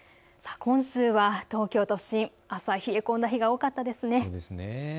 今週は東京都心、冷え込んだ日が多かったですね。